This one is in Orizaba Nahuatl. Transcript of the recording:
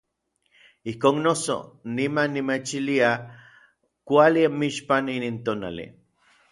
Ijkon noso, niman nimechilia kuali anmixpan inin tonali.